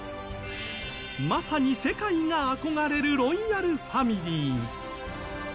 まさに世界が憧れるロイヤルファミリー。